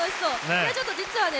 いやちょっと実はね